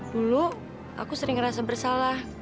dulu aku sering ngerasa bersalah